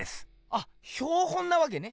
あっ標本なわけね。